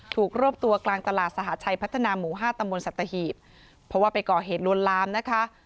รวบตัวกลางตลาดสหชัยพัฒนาหมู่ห้าตำบลสัตหีบเพราะว่าไปก่อเหตุลวนลามนะคะ